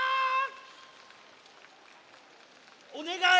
おねがい。